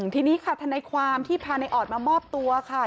ทีนี้ค่ะทนายความที่พาในออดมามอบตัวค่ะ